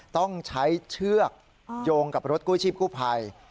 ต้องใช้เชือกโยงกับรถกู้ชีพกู้ภัย